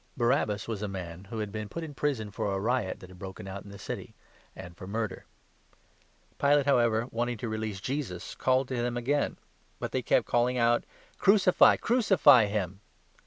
(Barabbas was a man who had been put in prison for a riot that had broken out in the city and for murder.) Pilate, how ever, wanting to release Jesus, called to them again ; but they kept calling out :" Crucify, crucify him